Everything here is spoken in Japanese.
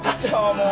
もう！